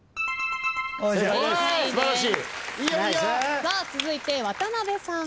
さあ続いて渡辺さん。